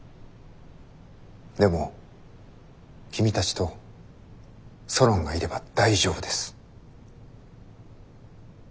でも君たちとソロンがいれば大丈夫です。